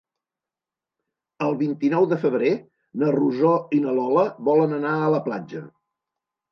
El vint-i-nou de febrer na Rosó i na Lola volen anar a la platja.